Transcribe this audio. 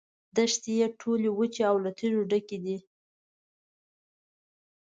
دښتې یې ټولې وچې او له تیږو ډکې دي.